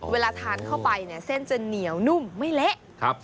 เวลาทานเข้าไปเนี่ยเส้นจะเหนียวนุ่มไม่เละ